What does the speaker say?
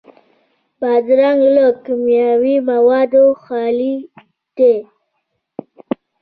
بادرنګ له کیمیاوي موادو خالي دی.